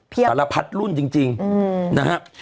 ประอรภัฏรุ่นจริงนะฮะ